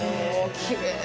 きれい！